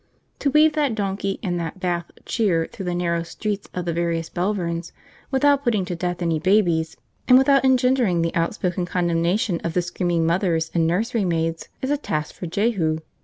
To weave that donkey and that Bath 'cheer' through the narrow streets of the various Belverns without putting to death any babies, and without engendering the outspoken condemnation of the screaming mothers and nurserymaids, is a task for a Jehu.